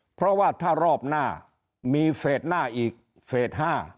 เพราะว่าถ้ารอบหน้ามีเฟสหน้าอีกเฟส๕